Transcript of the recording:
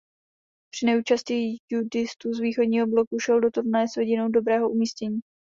Při neúčasti judistů z východního bloku šel do turnaje s vidinou dobrého umístění.